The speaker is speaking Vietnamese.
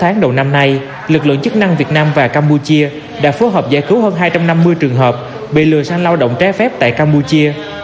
sáu tháng đầu năm nay lực lượng chức năng việt nam và campuchia đã phối hợp giải cứu hơn hai trăm năm mươi trường hợp bị lừa sang lao động trái phép tại campuchia